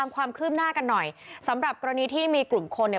ความคืบหน้ากันหน่อยสำหรับกรณีที่มีกลุ่มคนเนี่ย